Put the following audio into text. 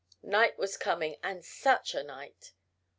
Night was coming, and such a night!